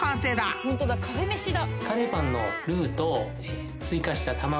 ホントだカフェ飯だ。